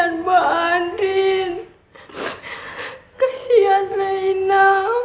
terima kasih rena